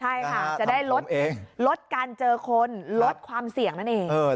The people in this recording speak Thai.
ใช่ค่ะจะได้ลดการเจอคนลดความเสี่ยงนั่นเอง